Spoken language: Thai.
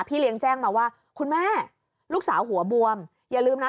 เลี้ยงแจ้งมาว่าคุณแม่ลูกสาวหัวบวมอย่าลืมนะ